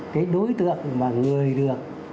cái đối tượng mà người được